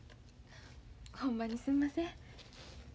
ほんまにすんません。